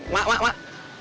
mak mak mak